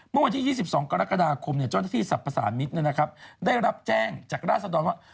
เมื่อวันที่๒๒กรกฎาคมเจ้าหน้าที่สรรพสารมิตรได้รับแจ้งจากราศดรว่า